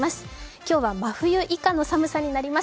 今日は真冬以下の寒さになります。